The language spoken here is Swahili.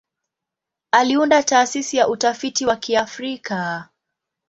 Aliunda Taasisi ya Utafiti wa Kiafrika.